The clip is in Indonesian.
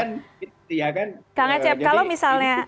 kak ngecep kalau misalnya